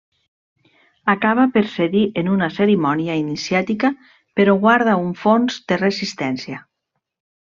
Acaba per cedir en una cerimònia iniciàtica però guarda un fons de resistència.